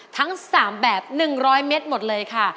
ทั้ง๓แบบ๑๐๐เมตรหมดเลยค่ะ